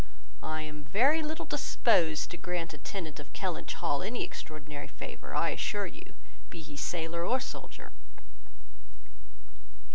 I am very little disposed to grant a tenant of Kellynch Hall any extraordinary favour, I assure you, be he sailor or soldier."